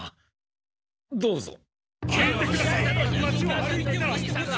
どうぞ。